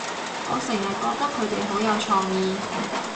我成日覺得佢哋好有創意